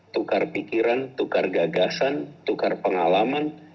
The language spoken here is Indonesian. tukar pikiran tukar gagasan tukar pengalaman